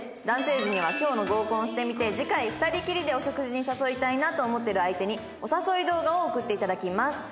男性陣には今日の合コンをしてみて次回２人きりでお食事に誘いたいなと思ってる相手にお誘い動画を送っていただきます。